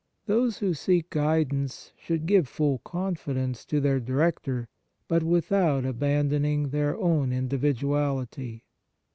Those who seek guidance should give full confidence to their director, but without abandoning their own individuality.